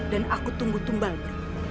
dan aku tunggu tumbang